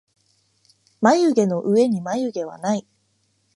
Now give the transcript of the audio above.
まゆげのうえにはまゆげはない